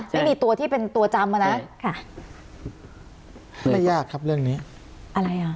ไม่มีตัวที่เป็นตัวจำอ่ะนะค่ะไม่ยากครับเรื่องนี้อะไรอ่ะ